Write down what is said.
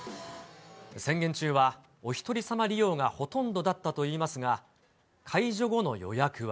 宣言中はおひとりさま利用がほとんどだったといいますが、解除後の予約は。